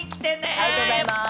ありがとうございます。